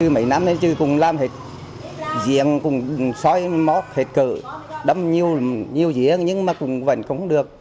mấy năm nay chứ cũng làm hết diện cũng xoay móc hết cử đâm nhiều dĩa nhưng mà cũng vẫn không được